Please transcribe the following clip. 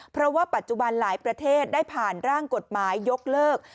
เพราะว่าปัจจุบันหลายประเทศได้ผ่านร่างกฎหมายยกเลิก